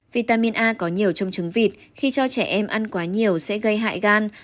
vitamin a có nhiều trong trứng vịt khi cho trẻ em ăn quá nhiều sẽ gây hại gan